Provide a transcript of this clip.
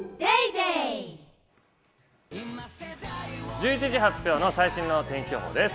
１１時発表の最新の天気予報です。